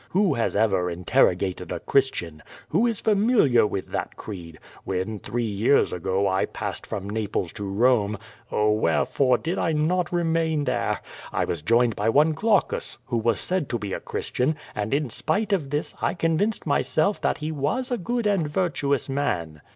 "Who has ever interrogated a Christian? Wlio is familiar with that creed? When, three years ago, I passed from Naples to Rome (oh, wherefore did I not remain there?), I was joined by one Glaucus, who was said to be a Christian, and in spite of this, I convinced myself that he was a good and virtuous man."